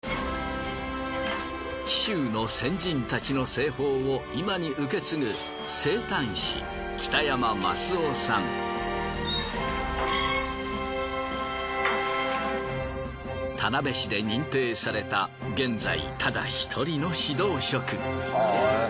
紀州の先人たちの製法を今に受け継ぐ田辺市で認定された現在ただ１人の指導職。